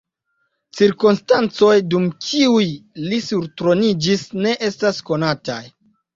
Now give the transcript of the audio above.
Cirkonstancoj, dum kiuj li surtroniĝis, ne estas konataj.